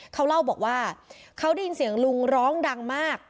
เขาเล่าบอกว่าเขาได้ยินเสียงลุงร้องดังมาก